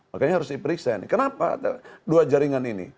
makanya harus diperiksa kenapa dua jaringan ini